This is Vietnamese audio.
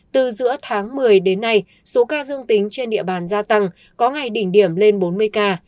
từ giữa tháng một mươi đến nay số ca dương tính trên địa bàn gia tăng có ngày đỉnh điểm lên bốn mươi ca